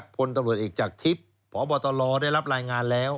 ผลตำรวจเอกิษณ์จากทฤษทนพเบาตลอได้รับรายงานแล้ว